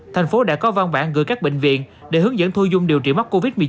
thành phố đã có văn bản gửi các bệnh viện để hướng dẫn thu dung điều trị mắc covid một mươi chín